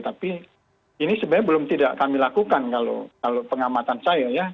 tapi ini sebenarnya belum tidak kami lakukan kalau pengamatan saya ya